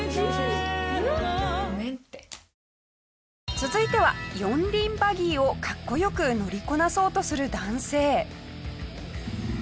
続いては四輪バギーをかっこ良く乗りこなそうとする男性。